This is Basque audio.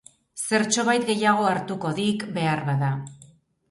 Zertxobait gehiago hartuko dik beharbada...